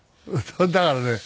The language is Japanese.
だからね